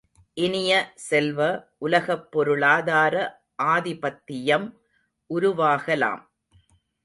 இனிய செல்வ, உலகப் பொருளாதார ஆதிபத்தியம் உருவாகலாம்.